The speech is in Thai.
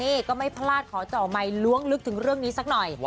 นี่ก็ไม่พลาดขอเจาะไมค์ล้วงลึกถึงเรื่องนี้สักหน่อย